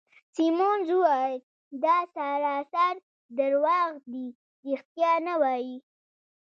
سیمونز وویل: دا سراسر درواغ دي، ریښتیا نه وایې.